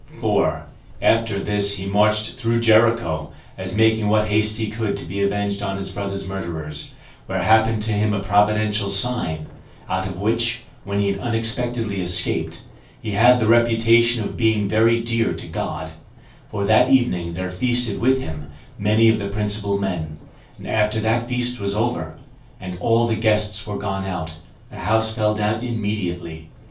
4. After this he marched through Jericho, as making what haste he could to be avenged on his brother's murderers; where happened to him a providential sign, out of which, when he had unexpectedly escaped, he had the reputation of being very dear to God; for that evening there feasted with him many of the principal men; and after that feast was over, and all the guests were gone out, the house fell down immediately.